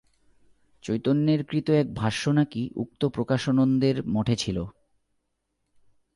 চৈতন্যের কৃত এক ভাষ্য নাকি উক্ত প্রকাশানন্দের মঠে ছিল।